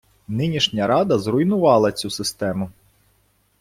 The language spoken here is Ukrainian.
Нинішня рада зруйнувала цю систему.